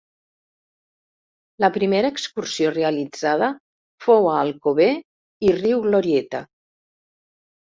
La primera excursió realitzada fou a Alcover i Riu Glorieta.